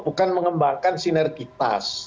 bukan mengembangkan sinergitas